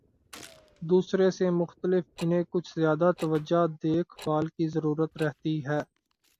دوسرے سے مختلف، انہیں کچھ زیادہ توجہ، دیکھ بھال کی ضرورت رہتی ہے۔